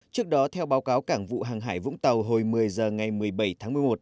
trước đó theo báo cáo cảng vụ hàng hải vũng tàu hồi một mươi h ngày một mươi bảy tháng một mươi một